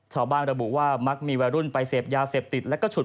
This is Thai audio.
ชาวบ้านระบุว่ามักมีวัยรุ่นไปเสพยาเสพติด